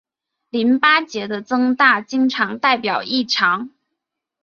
淋巴结的增大经常代表异常。